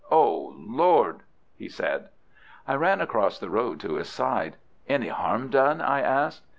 "Oh, Lord!" he said. I ran across the road to his side. "Any harm done?" I asked.